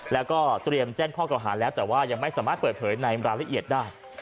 แล้วก็เตรียมแจ้งข้อเก่าหาแล้วแต่ว่ายังไม่สามารถเปิดเผยในรายละเอียดได้